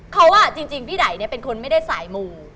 เขาจริงพี่ไดเป็นคนไม่ได้สายมู